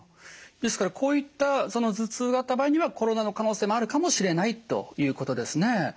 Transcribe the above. ですからこういった頭痛があった場合にはコロナの可能性もあるかもしれないということですね。